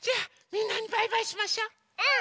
うん！